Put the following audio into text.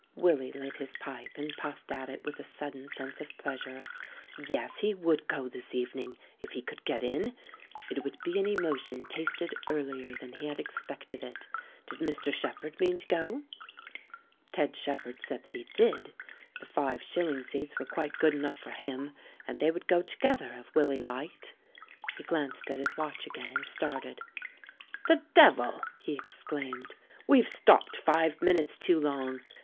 Willy lit his pipe, and puffed at it with a sud den sense of pleasure. Yes, he would go this eve ning, if he could get in ! It would be an emotion 92 THE MAN WHO UNDERSTOOD WOMEN tasted earlier than he had expected it. Did Mr. Shepherd mean to go? Ted Shepherd said that he did. The five shilHng seats were quite good enough for him, and they would go together if Willy liked. He glanced at his watch again, and started. "The devil!" he exclaimed, "we've stopped five minutes too long.